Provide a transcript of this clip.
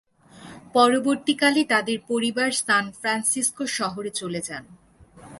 পরবর্তীকালে তাদের পরিবার সান ফ্রান্সিস্কো শহরে চলে যান।